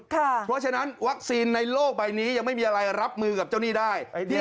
เพราะฉะนั้นวัคซีนในโลกใบนี้ยังไม่มีอะไรรับมือกับเจ้าหนี้ได้